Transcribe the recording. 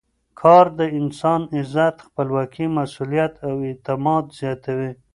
کار د انسان عزت، خپلواکي، مسؤلیت او اعتماد زیاتوي.